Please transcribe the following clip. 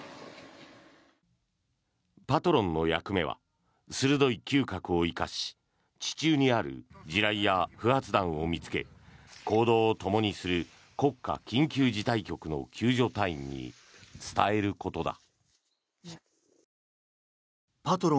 パトロンの役目は鋭い嗅覚を生かし地中にある地雷や不発弾を見つけ行動をともにする国家緊急事態局の救助隊員に伝えることだ。